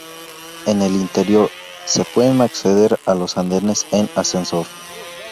En el interior, se puede acceder a los andenes en ascensor.